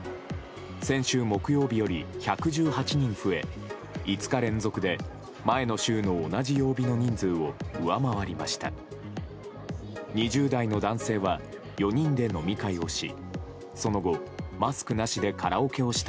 先週木曜日より１１８人増え５日連続で前の週の同じ曜日の人数を上回りました。